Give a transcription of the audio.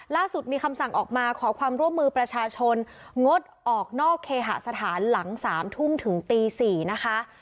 ล่าสุดมีคำสั่งออกมาขอความร่วมมือประชาชนงดออกนอกเคหสถานหลัง๓ทุ่มถึงตี๔นะคะ